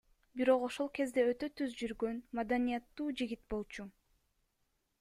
Бирок ошол кезде өтө түз жүргөн, маданияттуу жигит болчу.